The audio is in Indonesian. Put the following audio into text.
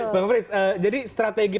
bang frits jadi strategi